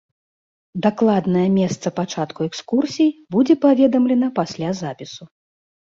Дакладнае месца пачатку экскурсій будзе паведамлена пасля запісу.